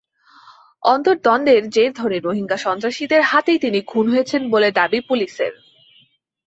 অন্তর্দ্বন্দ্বের জের ধরে রোহিঙ্গা সন্ত্রাসীদের হাতেই তিনি খুন হয়েছেন বলে দাবি পুলিশের।